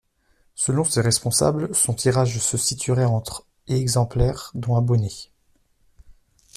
Selon ses responsables, son tirage se situerait entre et exemplaires, dont abonnés.